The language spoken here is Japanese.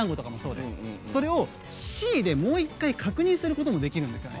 それをＣで、もう一回確認することができるんです。